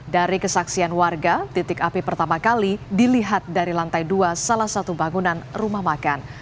dari kesaksian warga titik api pertama kali dilihat dari lantai dua salah satu bangunan rumah makan